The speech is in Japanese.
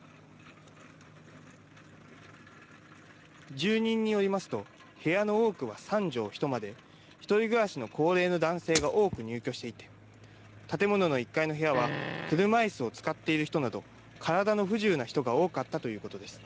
住人によりますと部屋の多くは３畳一間で１人暮らしの高齢の男性が多く入居していて建物の１階の部屋は車いすを使っている人など体の不自由な人が多かったということです。